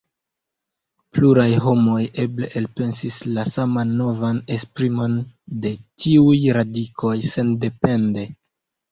Pluraj homoj eble elpensis la saman novan esprimon de tiuj radikoj sendepende.